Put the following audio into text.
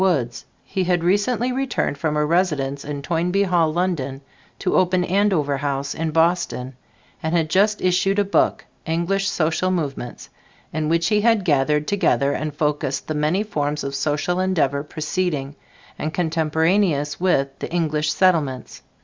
Woods. He had recently returned from a residence in Toynbee Hall, London, to open Andover House in Boston, and had just issued a book, "English Social Movements," in which he had gathered together and focused the many forms of social endeavor preceding and contemporaneous with the English Settlements.